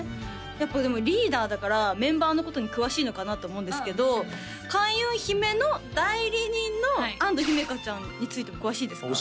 やっぱでもリーダーだからメンバーのことに詳しいのかなと思うんですけど開運姫の代理人の安土姫華ちゃんについても詳しいですか？